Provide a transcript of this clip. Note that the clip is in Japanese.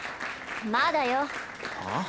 まだよ。はあ？